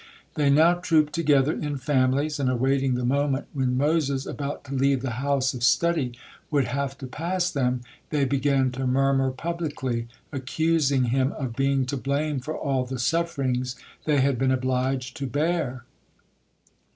They now trooped together in families, and awaiting the moment when Moses, about to leave the house of study, would have to pass them, they began to murmur publicly, accusing him of being to blame for all the sufferings they had been obliged to bear.